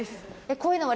こういうのは。